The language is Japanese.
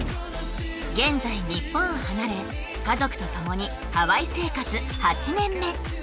現在日本を離れ家族と共にハワイ生活８年目！